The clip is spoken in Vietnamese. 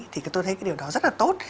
thì tôi thấy cái điều đó rất là tốt